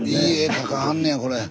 描かはんねやこれ。